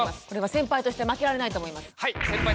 先輩として負けられないと思います。